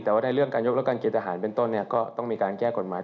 แต่ว่าในเรื่องการยกเลิกการเกณฑ์ทหารเป็นต้นก็ต้องมีการแก้กฎหมาย